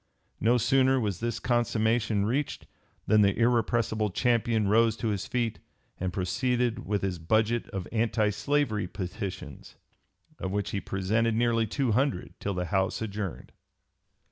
No sooner was this consummation reached than the irrepressible champion rose to his feet and proceeded with his budget of anti slavery petitions, of which he "presented nearly two hundred, till the House adjourned."